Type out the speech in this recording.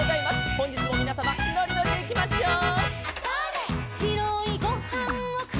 「ほんじつもみなさまのりのりでいきましょう」